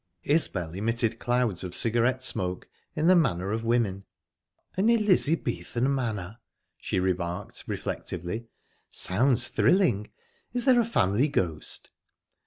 Isbel emitted clouds of cigarette smoke, in the manner of women. "An Elizabethan manor," she remarked reflectively. "Sounds thrilling. Is there a family ghost?"